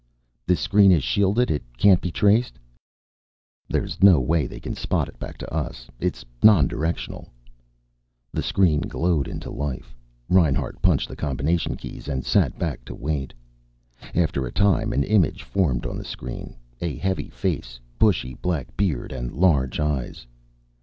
"This screen is shielded? It can't be traced?" "There's no way they can spot it back to us. It's non directional." The screen glowed into life. Reinhart punched the combination keys and sat back to wait. After a time an image formed on the screen. A heavy face, bushy black beard and large eyes.